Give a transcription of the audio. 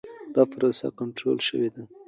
دا پروسه کنټرول شوې ده.